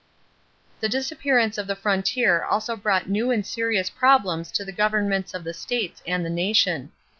= The disappearance of the frontier also brought new and serious problems to the governments of the states and the nation.